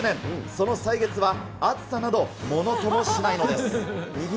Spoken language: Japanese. その歳月は熱さなどものともしないのです。